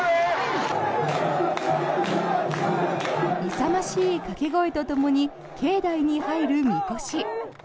勇ましい掛け声とともに境内に入る、みこし。